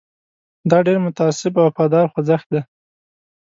دا ډېر متعصب او وفادار خوځښت دی.